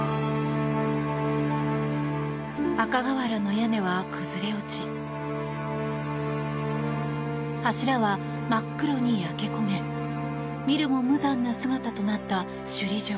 赤瓦の屋根は崩れ落ち柱は真っ黒に焼け焦げ見るも無残な姿となった首里城。